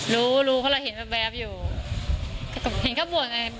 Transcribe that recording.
รู้รู้เพราะเราเห็นแวบอยู่เห็นเขาบวชไง